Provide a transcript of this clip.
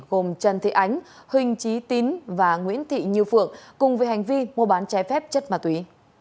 gồm trần thị ánh huỳnh trí tín và nguyễn thị như phượng cùng với hành vi mua bán trái phép chất ma túy